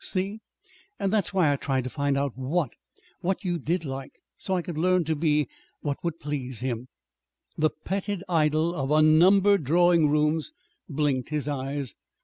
See? And that's why I tried to find out what what you did like, so I could learn to be what would please him." The petted idol of unnumbered drawing rooms blinked his eyes.